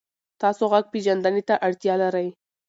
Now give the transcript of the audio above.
تاسو غږ پېژندنې ته اړتیا لرئ.